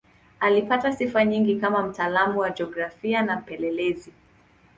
Alipata sifa nyingi kama mtaalamu wa jiografia na mpelelezi.